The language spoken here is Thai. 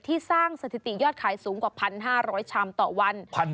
สร้างสถิติยอดขายสูงกว่า๑๕๐๐ชามต่อวัน